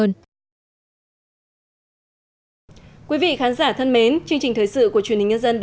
trong khi đó các nhà khoa học đã tham gia việc mở rộng sản xuất liên tục dưới thanh chế